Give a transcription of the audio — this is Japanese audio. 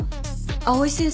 藍井先生？